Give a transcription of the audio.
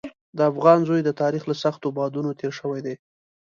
د افغان زوی د تاریخ له سختو بادونو تېر شوی دی.